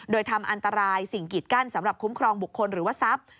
โดยทำอันตรายสิ่งกิดกั้นสำหรับคุ้มครองบุคคลหรือว่าทรัพย์